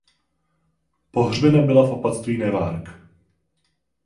Pohřbena byla v opatství Newark.